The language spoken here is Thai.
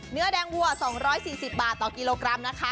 เนื้อแดงวัว๒๔๐บาทต่อกิโลกรัมนะคะ